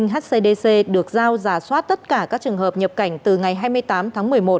hcdc được giao giả soát tất cả các trường hợp nhập cảnh từ ngày hai mươi tám tháng một mươi một